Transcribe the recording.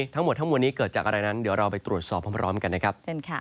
ทั้งหมดทั้งมวลนี้เกิดจากอะไรนั้นเดี๋ยวเราไปตรวจสอบพร้อมกันนะครับ